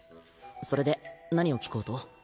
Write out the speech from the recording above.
それで何を聞こうと？